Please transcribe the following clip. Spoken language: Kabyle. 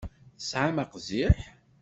Tesɛam aqziḥ?